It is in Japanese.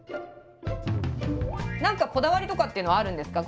何かこだわりとかっていうのはあるんですか？